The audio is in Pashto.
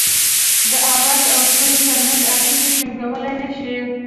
د آواز او توري ترمنځ اړيکي ټيڼګولای نه شي